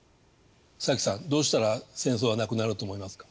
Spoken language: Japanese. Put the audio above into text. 早紀さんどうしたら戦争はなくなると思いますか？